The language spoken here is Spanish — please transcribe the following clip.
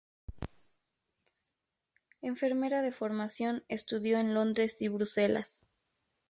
Enfermera de formación, estudió en Londres y Bruselas.